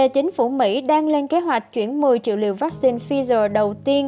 chính phủ mỹ đang lên kế hoạch chuyển một mươi triệu liều vaccine pfizer đầu tiên